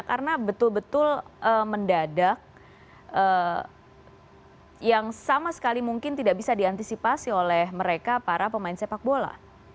karena betul betul mendadak yang sama sekali mungkin tidak bisa diantisipasi oleh mereka para pemain sepak bola